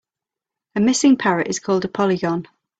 A missing parrot is called a polygon.